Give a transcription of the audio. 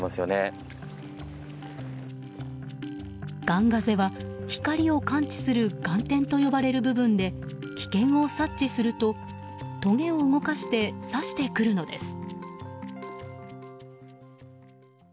ガンガゼは光を感知する眼点と呼ばれる部分で危険を察知するととげを動かして刺してくるのです。